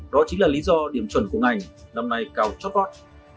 đó chính là lý do điểm chuẩn của ngành năm nay cao chót vót